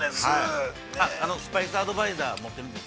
◆スパイスアドバイザー、持ってるんです。